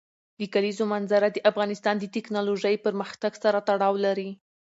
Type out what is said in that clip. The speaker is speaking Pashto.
د کلیزو منظره د افغانستان د تکنالوژۍ پرمختګ سره تړاو لري.